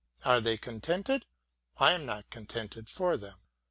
Are they contented ? I am not contented for them.